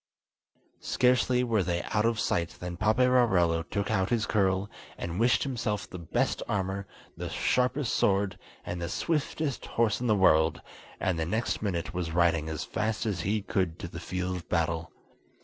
Scarcely were they out of sight than Paperarello took out his curl, and wished himself the best armour, the sharpest sword, and the swiftest horse in the world, and the next minute was riding as fast as he could to the field of battle.